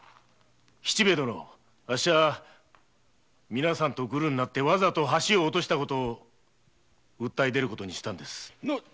あっしは皆さんとグルになってわざと橋を落としたことを訴え出ることにしたんです。